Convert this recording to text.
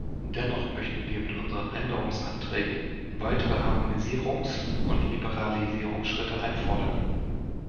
Dennoch möchten wir mit unseren Änderungsanträgen weitere Harmonisierungs- und Liberalisierungsschritte einfordern.